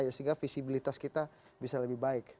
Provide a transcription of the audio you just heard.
sehingga visibilitas kita bisa lebih baik